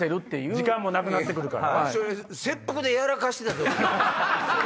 時間もなくなって来るから。